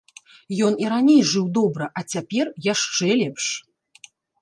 Ён і раней жыў добра, а цяпер яшчэ лепш.